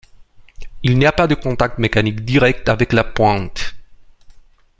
Il n'y a pas de contact mécanique direct avec la pointe.